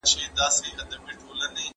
سياسي کړنې بايد د ولس په ګټه وي.